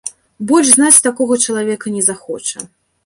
Больш знаць такога чалавека не захоча.